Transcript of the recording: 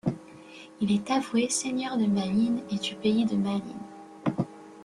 Il est avoué, seigneur de Malines et du pays de Malines.